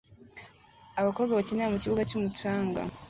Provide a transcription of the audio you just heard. Abakobwa bakinira mukibuga cyumucanga